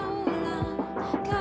mana yang disalah yang nyata